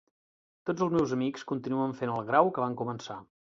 Tots els meus amics continuen fent el grau que van començar.